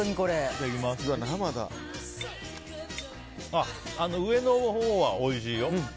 あ、上のほうはおいしいよ。